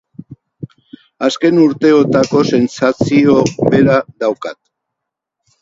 Azken urteotako sentsazio bera daukat.